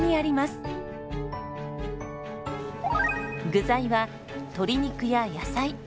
具材は鶏肉や野菜。